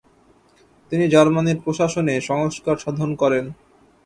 তিনি জার্মানির প্রশাসনে সংস্কার সাধন করেন।